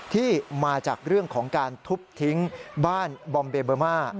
ที่มาจากเรื่องของการทุบทิ้งบ้านบอมเบเบอร์มา